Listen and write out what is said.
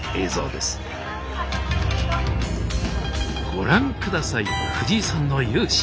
ご覧下さい藤井さんの雄姿。